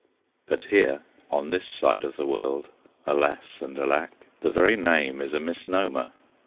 But here, on this side of the world, alas and alack, the very name is a misnomer.